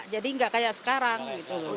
jadi nggak kayak sekarang gitu